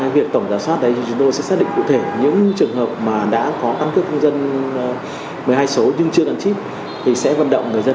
hiện công an thành phố hà nội